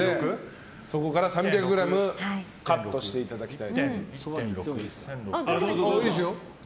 そこから３００ｇカットしていただきたいと。